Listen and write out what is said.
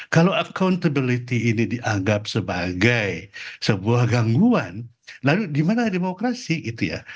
kalau accountability ini dianggap sebagai sebuah gangguan lalu dimana demokrasi gitu ya